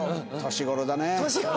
年頃だね。